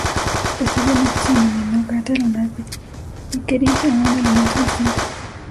Posteriormente se denominó cráter lunar Pickering a un elemento distinto.